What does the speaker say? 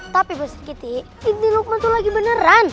tapi bes sikiti ini lukman tuh lagi beneran